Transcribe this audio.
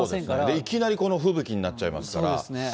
いきなりこの吹雪になっちゃいますから。